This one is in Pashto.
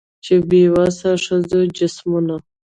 چي د بې وسه ښځو جسمونه